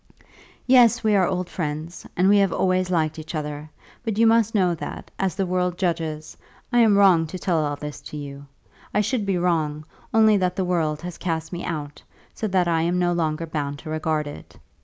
"Yes, we are old friends, and we have always liked each other; but you must know that, as the world judges, I am wrong to tell all this to you. I should be wrong, only that the world has cast me out, so that I am no longer bound to regard it.